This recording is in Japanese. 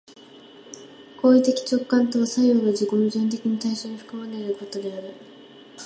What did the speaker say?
行為的直観とは作用が自己矛盾的に対象に含まれていることである。